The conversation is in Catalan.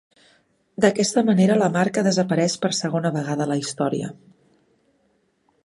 D'aquesta manera la marca desapareix per segona vegada a la història.